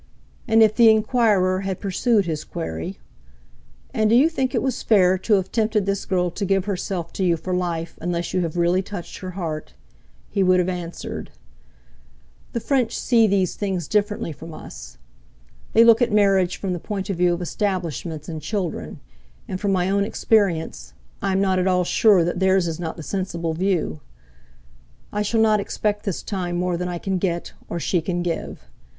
And if the enquirer had pursued his query, "And do you think it was fair to have tempted this girl to give herself to you for life unless you have really touched her heart?" he would have answered: "The French see these things differently from us. They look at marriage from the point of view of establishments and children; and, from my own experience, I am not at all sure that theirs is not the sensible view. I shall not expect this time more than I can get, or she can give.